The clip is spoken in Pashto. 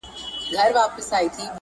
بې اهمیته او بند کړی دی